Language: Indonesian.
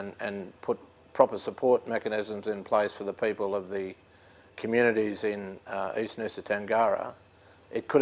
dan membuat mekanisme penyelenggaraan yang benar benar baik untuk masyarakat di nusa tenggara timur